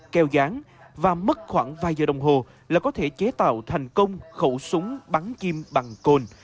keo dán và mất khoảng vài giờ đồng hồ là có thể chế tạo thành công khẩu súng bắn chim bằng côn